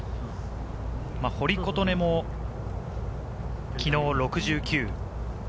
堀琴音も昨日６９。